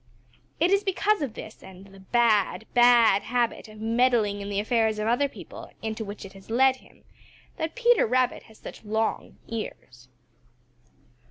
It is because of this and the bad, bad habit of meddling in the affairs of other people into which it has led him that Peter Rabbit has such long ears.